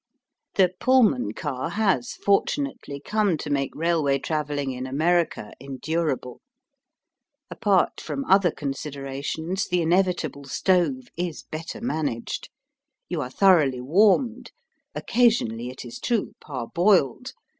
The Pullman car has fortunately come to make railway travelling in America endurable. Apart from other considerations, the inevitable stove is better managed. You are thoroughly warmed, occasionally, it is true, parboiled.